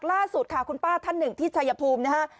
ล่าสุดค่ะคุณป้าท่านหนึ่งที่ชายภูมินะฮะ